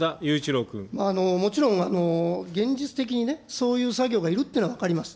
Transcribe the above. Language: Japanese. もちろん、現実的にね、そういう作業がいるっていうのは分かります。